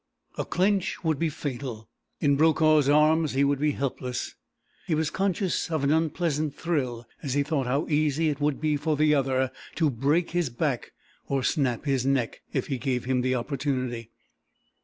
A clinch would be fatal. In Brokaw's arms he would be helpless; he was conscious of an unpleasant thrill as he thought how easy it would be for the other to break his back, or snap his neck, if he gave him the opportunity.